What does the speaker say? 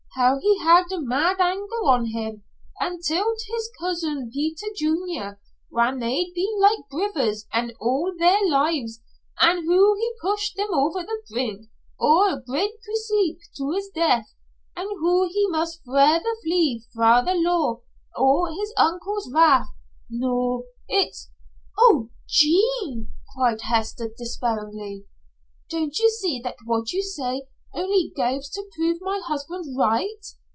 How he had a mad anger on him, an' kill't his cousin Peter Junior whan they'd been like brithers all their lives, an' hoo he pushed him over the brink o' a gre't precipice to his death, an' hoo he must forever flee fra' the law an' his uncle's wrath. Noo it's " "Oh, Aunt Jean!" cried Hester, despairingly. "Don't you see that what you say only goes to prove my husband right?